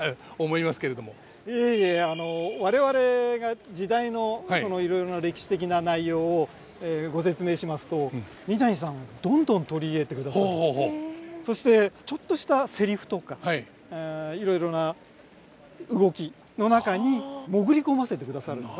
いえいえ我々が時代のそのいろいろな歴史的な内容をご説明しますと三谷さんどんどん取り入れてくださってそしてちょっとしたセリフとかいろいろな動きの中に潜り込ませてくださるので。